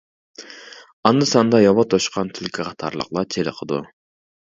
ئاندا-ساندا ياۋا توشقان، تۈلكە قاتارلىقلار چېلىقىدۇ.